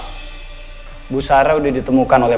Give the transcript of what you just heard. ibu sarah sudah ditemukan oleh